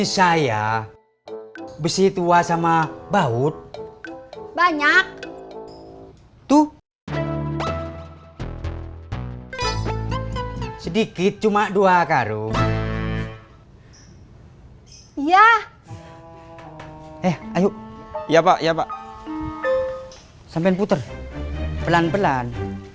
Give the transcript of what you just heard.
sama baut banyak tuh sedikit cuma dua karung ya eh ayo ya pak ya pak sampai puter pelan pelan